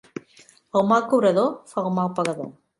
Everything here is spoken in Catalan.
El mal cobrador fa el mal pagador.